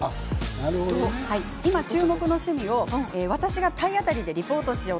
今、注目の趣味を私が体当たりでリポート。